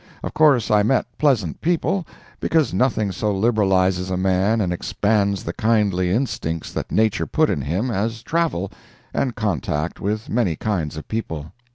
Of course I met pleasant people, because nothing so liberalizes a man and expands the kindly instincts that nature put in him as travel and contact with many kinds of people.